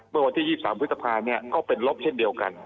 เมื่อวันที่๒๓พฤษภาก็เป็นลบเช่นเดียวกัน